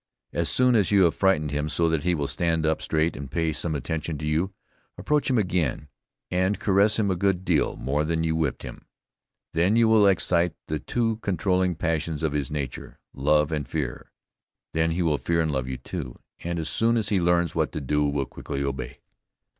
As soon as you have frightened him so that he will stand up straight and pay some attention to you, approach him again and caress him a good deal more than you whipped him, then you will excite the two controlling passions of his nature, love and fear, and then he will fear and love you too, and as soon as he learns what to do will quickly obey.